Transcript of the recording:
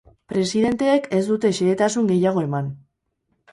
Presidenteek ez dute xehetasun gehiago eman.